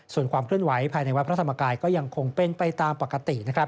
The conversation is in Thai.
ส่วนความขึ้นไหวภายในวัดพระธรรมากรายก็ยังคงเป็นไปตามปกติ